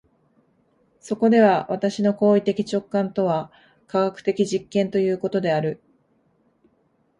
そこでは私の行為的直観とは科学的実験ということである。